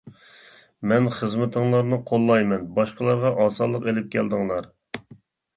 مەن خىزمىتىڭلارنى قوللايمەن، باشقىلارغا ئاسانلىق ئېلىپ كەلدىڭلار!